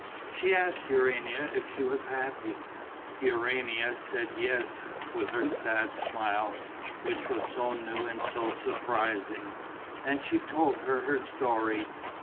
She asked Urania if she was happy. Urania said yes, with her sad smile, which was so new and so surprising. And she told her story.